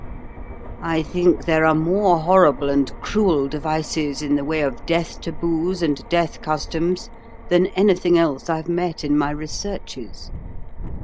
I think there are more horrible and cruel devices in the way of death taboos and death customs than anything else I've met in my researches.